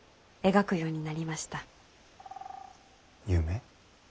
夢？